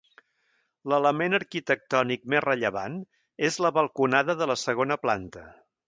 L'element arquitectònic més rellevant és la balconada de la segona planta.